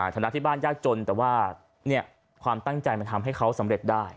ธนาคติบ้านย่าจนแต่ว่าเนี่ยความตั้งใจมันทำให้เขาสำเร็จได้